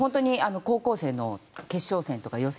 高校生の決勝戦とか予選